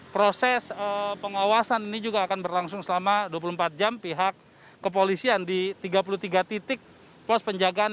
proses pengawasan ini juga akan berlangsung selama dua puluh empat jam pihak kepolisian di tiga puluh tiga titik pos penjagaan